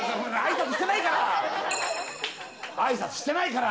挨拶してないから！